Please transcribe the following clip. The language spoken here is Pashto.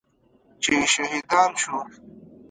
چې شهیدان شو.